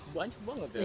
banyak banget ya